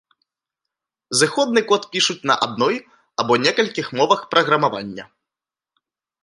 Зыходны код пішуць на адной або некалькіх мовах праграмавання.